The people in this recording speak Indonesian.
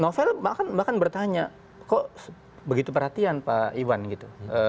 novel bahkan bertanya kok begitu perhatian pak iwan gitu